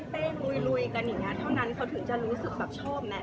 เขาถึงจะรู้สึกชอบแม่ไร่งี้แล้วแมนก็พยายามพิสูจน์ตัวเอง